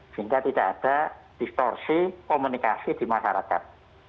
sehingga tidak ada distorsi komunikasi di masyarakat